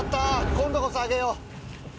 今度こそあげよう。